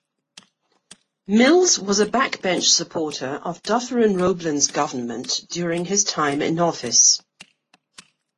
Mills was a backbench supporter of Dufferin Roblin's government during his time in office.